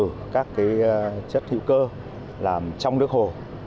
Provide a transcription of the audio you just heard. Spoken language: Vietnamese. và nó khử các cái chất thịu cơ làm trong nước hồ